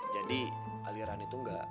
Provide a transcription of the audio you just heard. jadi aliran itu enggak